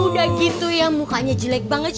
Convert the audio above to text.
udah gitu ya mukanya jelek banget